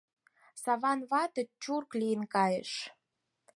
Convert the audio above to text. Саван вате чурк лийын кайыш.